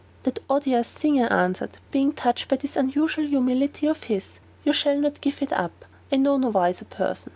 "That odious thing!" I answered, being touched by this unusual humility of his; "you shall not give it up; and I know no wiser person.